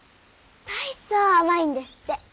大層甘いんですって。